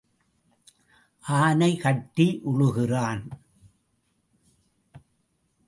ஆனை கட்டி உழுகிறான்.